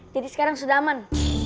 jadi sekarang sudah aman